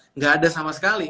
enggak ada sama sekali